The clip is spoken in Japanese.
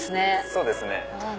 そうですね。